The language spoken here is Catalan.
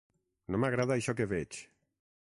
No m’agrada això que veig.